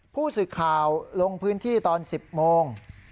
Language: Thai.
ผู้สื่อข่าวลงพื้นที่ตอน๑๐โมง